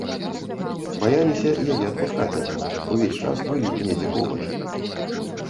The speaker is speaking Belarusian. Баяліся яе адпускаць адну, увесь час былі недзе побач.